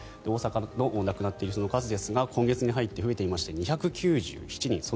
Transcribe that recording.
大阪の亡くなっている人の数ですが今月に入って増えていまして２９７人。